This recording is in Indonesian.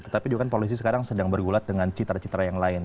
tetapi polisi sekarang sedang bergulat dengan citara citara yang lain